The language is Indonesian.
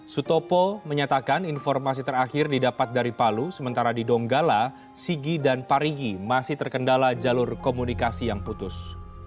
sutopo menyatakan informasi terakhir didapat dari palu sementara di donggala sigi dan parigi masih terkendala jalur komunikasi yang putus